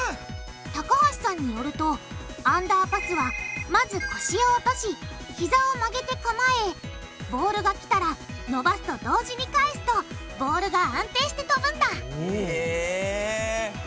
高橋さんによるとアンダーパスはまず腰を落としひざを曲げて構えボールが来たら伸ばすと同時に返すとボールが安定してとぶんだへぇ。